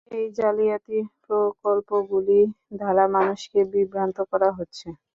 এই জালিয়াতি প্রকল্পগুলি দ্বারা মানুষকে বিভ্রান্ত করা হচ্ছে।